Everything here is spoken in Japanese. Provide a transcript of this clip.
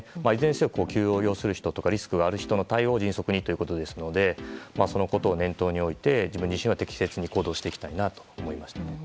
いずれにしても急を要する人とかリスクのある人の対応を迅速にということですからそのことを念頭に置いて自分自身は適切に行動していきたいなと思いました。